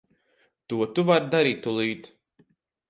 To tu vari darīt tūlīt.